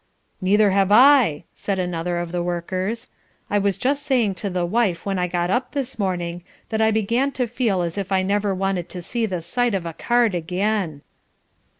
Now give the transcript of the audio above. "Neither have I," said another of the workers. "I was just saying to the wife when I got up this morning that I begin to feel as if I never wanted to see the sight of a card again."